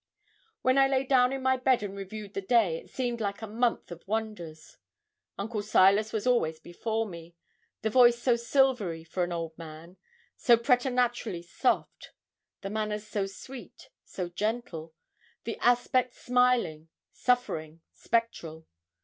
When I lay down in my bed and reviewed the day, it seemed like a month of wonders. Uncle Silas was always before me; the voice so silvery for an old man so preternaturally soft; the manners so sweet, so gentle; the aspect, smiling, suffering, spectral.